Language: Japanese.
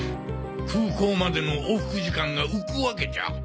空港までの往復時間が浮くわけじゃ！